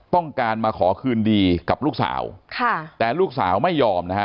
ต้องการมาขอคืนดีกับลูกสาวค่ะแต่ลูกสาวไม่ยอมนะฮะ